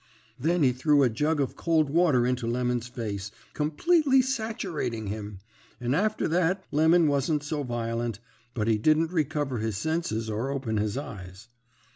Then he threw a jug of cold water into Lemon's face, completely satcherating him, and after that Lemon wasn't so violent; but he didn't recover his senses or open his eyes.